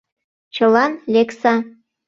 — Чылан лекса!